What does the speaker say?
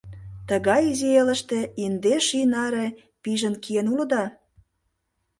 — Тыгай изи элыште индеш ий наре пижын киен улыда?